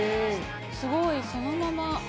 すごいそのまま。